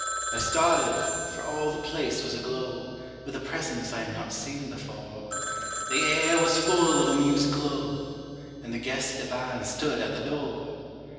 I started, for all the place was aglow With a presence I had not seen before; The air was full of a music low, And the Guest Divine stood at the door!